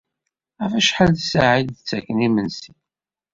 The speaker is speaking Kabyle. Ɣef acḥal ssaɛa i d-ttaken imensi?